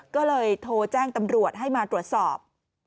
ก็เลยโทรแจ้งตำรวจให้มาตรวจสอบ